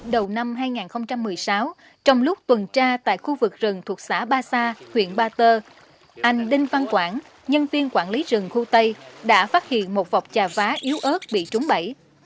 đầu năm hai nghìn một mươi sáu trong lúc tuần tra tại khu vực rừng thuộc xã ba sa huyện ba tơ anh đinh văn quảng nhân viên quản lý rừng khu tây đã phát hiện một vọc trà vá yếu ớt bị trúng bẫy